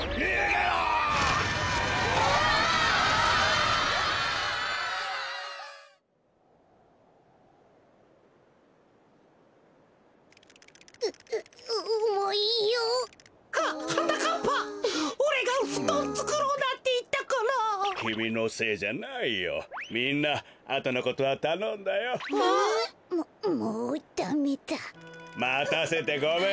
またせてごめんよ。